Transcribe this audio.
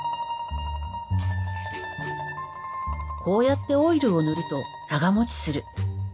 こうやってオイルを塗ると長もちする。